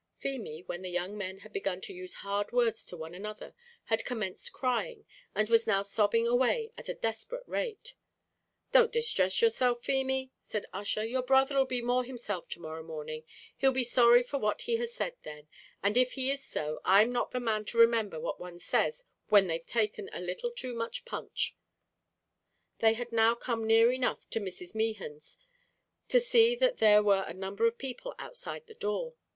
Feemy, when the young men had begun to use hard words to one another, had commenced crying, and was now sobbing away at a desperate rate. "Don't distress yourself, Feemy," said Ussher, "your brother 'll be more himself to morrow morning; he'll be sorry for what he has said then and if he is so, I am not the man to remember what any one says when they've taken a little too much punch." They had now come near enough to Mrs. Mehan's to see that there were a number of people outside the door.